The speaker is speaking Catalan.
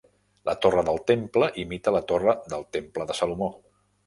La Torre del Temple imita la torre del Temple de Salomó.